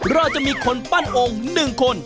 เราจะมีคนปั้นองค์๑คน